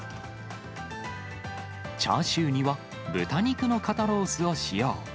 チャーシューには豚肉の肩ロースを使用。